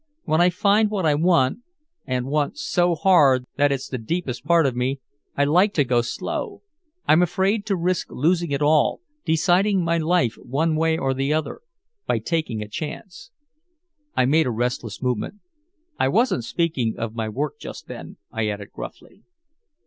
When I find what I want and want so hard that it's the deepest part of me I like to go slow. I'm afraid to risk losing it all deciding my life one way or the other by taking a chance." I made a restless movement. "I wasn't speaking of my work just then," I added gruffly.